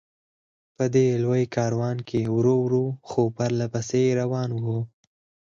په دې لوی کاروان کې ورو ورو، خو پرله پسې روان و.